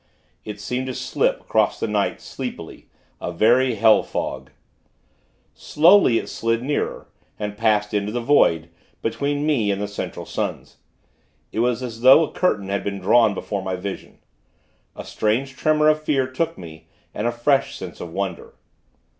It seemed to slip across the night, sleepily a very hell fog. Slowly, it slid nearer, and passed into the void, between me and the Central Suns. It was as though a curtain had been drawn before my vision. A strange tremor of fear took me, and a fresh sense of wonder.